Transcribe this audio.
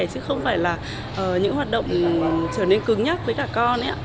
chứ không phải là những hoạt động trở nên cứng nhắc với cả con ấy ạ